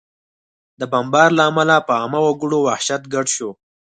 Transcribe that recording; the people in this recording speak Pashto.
د بمبار له امله په عامه وګړو وحشت ګډ شو